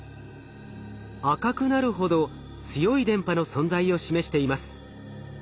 赤くなるほど強い電波の存在を示しています。